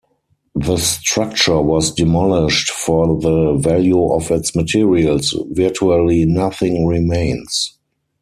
The structure was demolished for the value of its materials; virtually nothing remains.